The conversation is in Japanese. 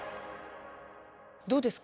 どうですか？